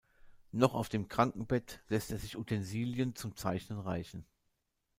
Noch auf dem Krankenbett lässt er sich Utensilien zum zeichnen reichen.